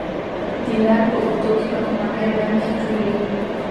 د لارې په اوږدو کې واکمنۍ ړنګې کړې.